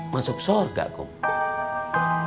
masuk sorga kung